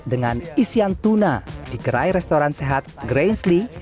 dengan isian tuna di gerai restoran sehat grainsley